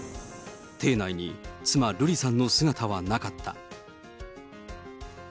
廷内に妻、瑠麗さんの姿はなかった。